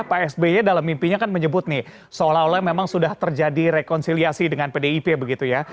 pak sby dalam mimpinya kan menyebut nih seolah olah memang sudah terjadi rekonsiliasi dengan pdip begitu ya